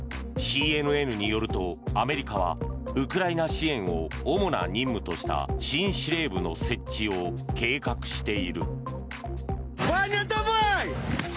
ＣＮＮによると、アメリカはウクライナ支援を主な任務とした新司令部の設置を計画している。